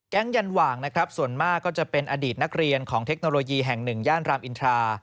แก๊งยันหว่างส่วนมากก็จะเป็นอดีตนักเรียนของเทคโนโลยีแห่ง๑ย่านรามอินทรา